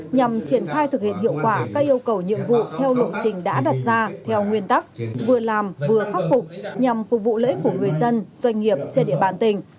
nhằm triển khai thực hiện hiệu quả các yêu cầu nhiệm vụ theo lộ trình đã đặt ra theo nguyên tắc vừa làm vừa khắc phục nhằm phục vụ lợi ích của người dân doanh nghiệp trên địa bàn tỉnh